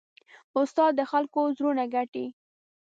استاد د خلکو زړونه ګټي.